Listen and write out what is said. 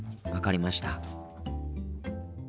分かりました。